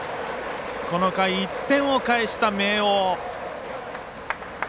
この回、１点を返した明桜。